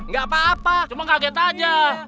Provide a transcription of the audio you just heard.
nggak apa apa cuma kaget aja